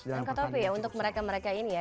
toko topi ya untuk mereka mereka ini ya